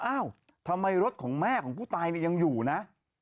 อ้าวทำไมรถของแม่ของผู้ตายยังอยู่นะ